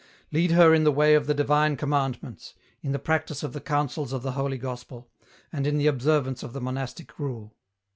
Lead her in the way of the divine Commandments, in the practice of the counsels of the Holy Gospel, and in the observance of the monastic rule.